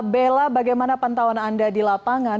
bella bagaimana pantauan anda di lapangan